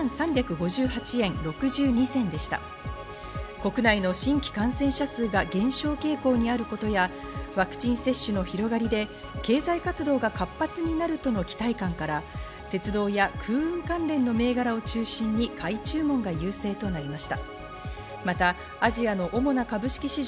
国内の新規感染者数が減少傾向にあることや、ワクチン接種の広がりで経済活動が活発になるとの期待感から鉄道や空運関連の銘柄を中心に買い注文が優勢となりまし